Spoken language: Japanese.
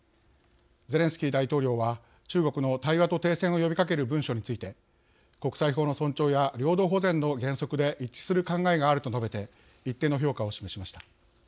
ゼレンスキー大統領は中国の対話と停戦を呼びかける文書について国際法の尊重や領土保全の原則で一致する考えがあると述べて一定の評価を示しました。